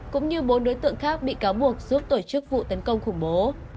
cũng như bốn đối tượng khác bị cáo buộc giúp tổ chức vụ tấn công khủng bố